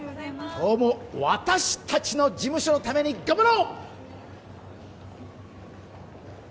今日も私達の事務所のために頑張ろう！